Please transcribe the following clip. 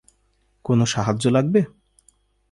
কোনো সাহায্য লাগবে?